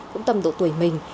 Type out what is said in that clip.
cũng tầm độ tuổi mình